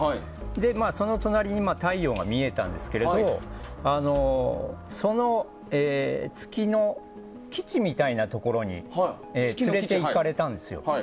その隣に太陽が見えたんですけれどその月の基地みたいなところに連れていかれたんですよ。